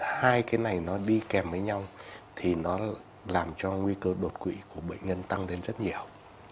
hai cái này nó đi kèm với nhau thì nó làm cho nguy cơ đột quỵ của bệnh nhân tăng lên rất nhiều